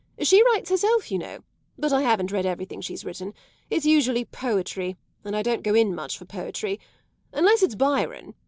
She writes herself, you know; but I haven't read everything she has written. It's usually poetry, and I don't go in much for poetry unless it's Byron.